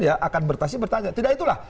ya akan bertas bertanya tidak itulah